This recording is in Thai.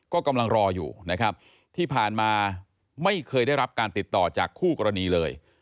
ก็กำลังรออยู่นะครับที่ผ่านมาไม่เคยได้รับการติดต่อจากคู่กรณีเลย